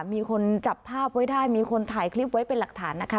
มีคนจับภาพไว้ได้มีคนถ่ายคลิปไว้เป็นหลักฐานนะคะ